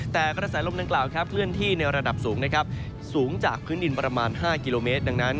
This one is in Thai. แต่กระแสลมดังกล่าวเคลื่อนที่ในระดับสูงนะครับสูงจากพื้นดินประมาณ๕กิโลเมตรดังนั้น